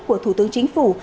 của thủ tướng chính phủ